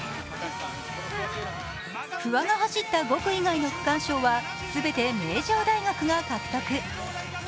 不破が走った５区以外の区間賞は全て名城大学が獲得。